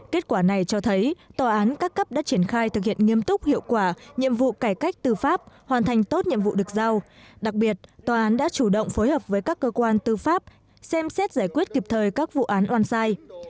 kết quả này cho thấy tòa án các cấp đã triển khai thực hiện nghiêm túc hiệu quả nhiệm vụ cải cách tư pháp hoàn thành tốt nhiệm vụ được giao đặc biệt tòa án đã chủ động phối hợp với các cơ quan tư pháp xem xét giải quyết kịp thời các vụ án oan sai